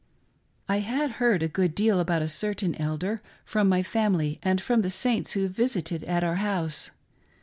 I had heard a good deal about a certain elder, from my fam . ily and from the Saints who visited at our house.